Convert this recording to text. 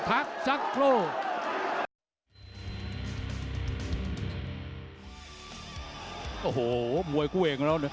ตอนนี้มันถึง๓